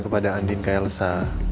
kepada andin ke elsa